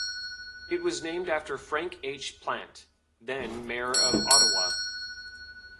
It was named after Frank H. Plant, then mayor of Ottawa.